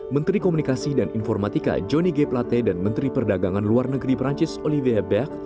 menteri komunikasi dan informatika johnny g plate dan menteri perdagangan luar negeri perancis olivia beck